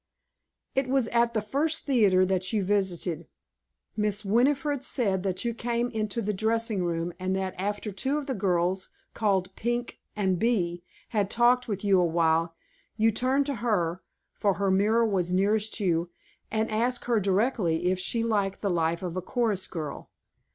"It was at the first theater that you visited. Miss Winifred said that you came into the dressing room and that after two of the girls, called Pink and Bee, had talked with you awhile, you turned to her, for her mirror was nearest you, and asked her directly if she liked the life of a chorus girl.